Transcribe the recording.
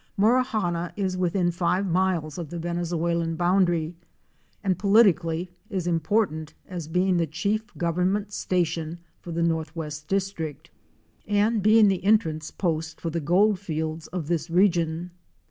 Morawhanna is within five miles of the Venezuela bound ary, and politically is important as being the chief Govern ment Station for the Northwest District, and being the entrance post for the gold fields of this region.